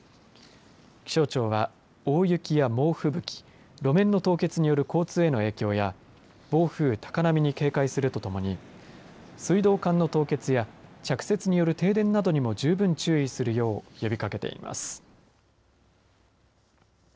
気象庁は大雪や猛吹雪路面の凍結による交通への影響や暴風、高波に警戒するとともに水道管の凍結や着雪による停電などにも十分注意するよう呼びかけています。